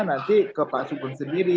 nanti ke pak sugeng sendiri